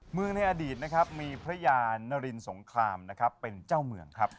ในอดีตนะครับมีพระยานรินสงครามนะครับเป็นเจ้าเมืองครับ